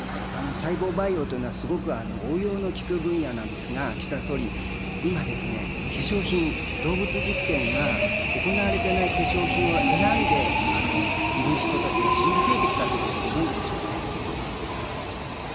細胞バイオというのはすごく応用の利く分野なんですが、岸田総理、今ですね、化粧品、動物実験が行われていない化粧品を選んでいる人たちが非常に増えてきたということ、ご存じでしょうか。